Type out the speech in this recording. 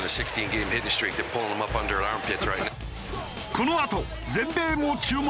このあと全米も注目！